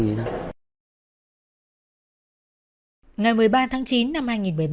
ngày một mươi ba tháng chín năm hai nghìn một mươi ba